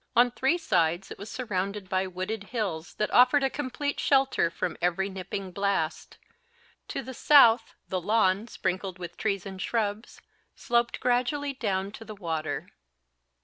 On three sides it was surrounded by wooded hills that offered a complete shelter from every nipping blast. To the south the lawn, sprinkled with trees and shrubs, sloped gradually down to the water.